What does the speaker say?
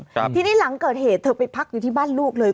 ครับทีนี้หลังเกิดเหตุเธอไปพักอยู่ที่บ้านลูกเลย